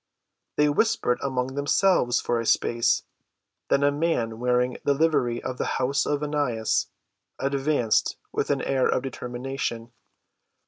They whispered among themselves for a space, then a man wearing the livery of the house of Annas advanced with an air of determination.